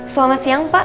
selamat siang pak